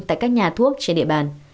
tại các nhà thuốc trên địa bàn